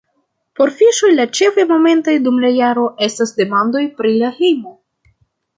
Por Fiŝoj la ĉefaj momentoj dum la jaro estos demandoj pri la hejmo.